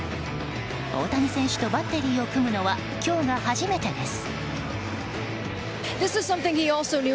大谷選手とバッテリーを組むのは今日が初めてです。